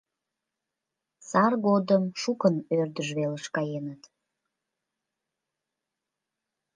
— Сар годым шукын ӧрдыж велыш каеныт.